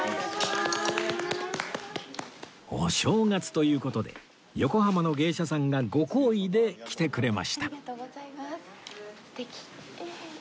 お正月という事で横浜の芸者さんがご厚意で来てくれました